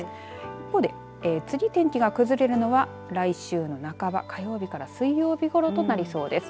一方で次天気が崩れるのは来週の半ば火曜日から水曜日ごろとなりそうです。